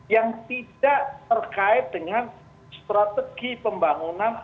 yang tidak terkait dengan strategi pembangunan